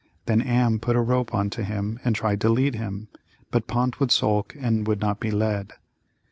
Then Am put a rope on to him and tried to lead him, but Pont would sulk and would not be led.